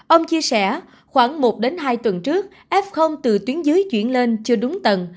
ông chia sẻ khoảng một đến hai tuần trước f từ tuyến dưới chuyển lên chưa đúng tầng